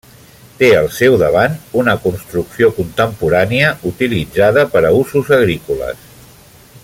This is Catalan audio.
Té al seu davant una construcció contemporània utilitzada per a usos agrícoles.